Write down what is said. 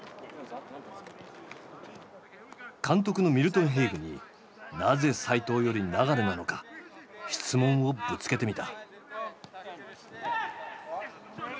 監督のミルトン・ヘイグになぜ齋藤より流なのか質問をぶつけてみた。